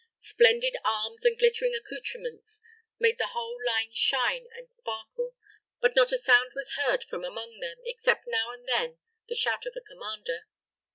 Splendid arms and glittering accoutrements made the whole line shine and sparkle; but not a sound was heard from among them, except now and then the shout of a commander.